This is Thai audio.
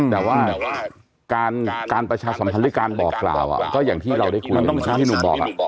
แต่ว่าการประชาสัมพันธ์หรือการบอกกล่าวก็อย่างที่เราได้คุยที่พี่หนุ่มบอก